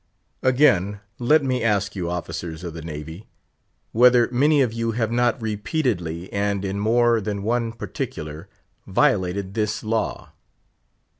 Again let me ask you, officers of the Navy, whether many of you have not repeatedly, and in more than one particular, violated this law?